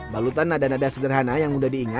balutan nada nada sederhana yang mudah diingat